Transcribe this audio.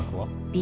Ｂ